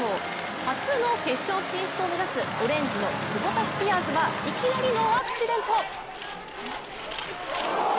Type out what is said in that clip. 初の決勝進出を目指すオレンジのクボタスピアーズはいきなりのアクシデント。